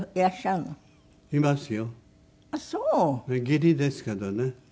義理ですけどね。